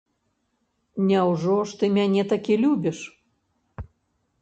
Няўжо ж ты мяне такі любіш?